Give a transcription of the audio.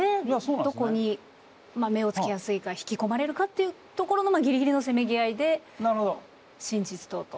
どこに目をつけやすいか引き込まれるかっていうところのギリギリのせめぎ合いで真実とというところなんでしょうか。